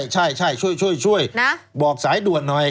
ใช่ช่วยบอกสายด่วนหน่อย